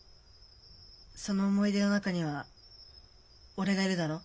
その思い出の中には俺がいるだろ？